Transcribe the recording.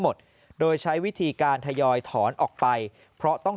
หมดโดยใช้วิธีการทยอยถอนออกไปเพราะต้อง